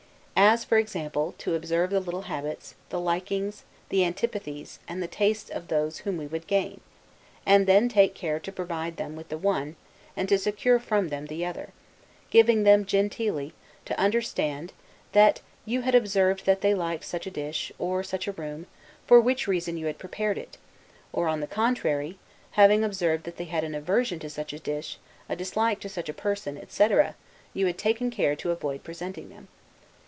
As, for example, to observe the little habits, the likings, the antipathies, and the tastes of those whom we would gain; and then take care to provide them with the one, and to secure them from the other; giving them, genteelly, to understand, that you had observed that they liked such a dish, or such a room; for which reason you had prepared it: or, on the contrary, that having observed they had an aversion to such a dish, a dislike to such a person, etc., you had taken care to avoid presenting them.